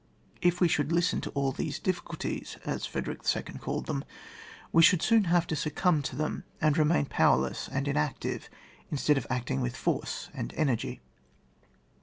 If we should listen to all these diffievdtie^ as Frederick II. called them, we should soon have to succumb to them, and remain powerless and inactive instead of acting with force and energy.